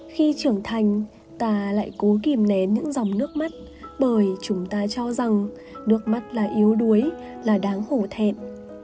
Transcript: khi trưởng thành ta lại cố kìm nén những dòng nước mắt bởi chúng ta cho rằng nước mắt là yếu đuối là đáng hồ thẹm